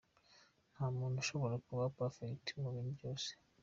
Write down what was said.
Nta muntu ushobora kuba perfect mu bintu byose.